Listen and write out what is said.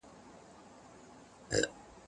زه کولای سم موسيقي اورم!؟